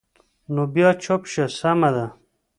نو بیا چوپ شه، سمه ده.